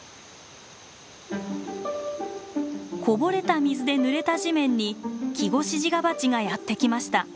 こぼれた水でぬれた地面にキゴシジガバチがやってきました。